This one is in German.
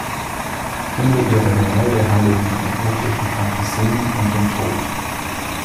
Viele ihrer Gemälde handeln von erotischen Phantasien und dem Tod.